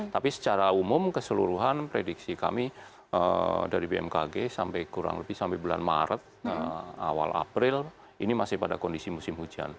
tapi secara umum keseluruhan prediksi kami dari bmkg sampai kurang lebih sampai bulan maret awal april ini masih pada kondisi musim hujan